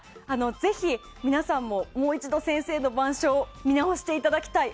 ぜひ、皆さんももう一度、先生の板書を見直していただきたい。